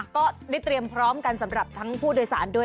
ก็ได้เตรียมพร้อมกันสำหรับทั้งผู้โดยสารด้วย